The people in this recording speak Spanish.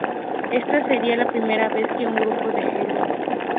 Esta sería la primera vez que un grupo de Hello!